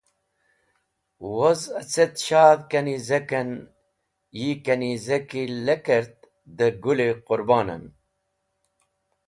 Woz acet shadh kanizek en yi kanizeki lekert de Gũl-e Qũrbon en.